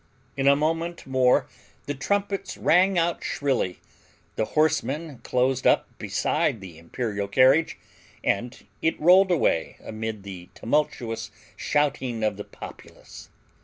In a moment more the trumpets rang out shrilly, the horsemen closed up beside the imperial carriage, and it rolled away amid the tumultuous shouting of the populace.